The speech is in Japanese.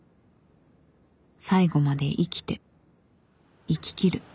最期まで生きて生ききる。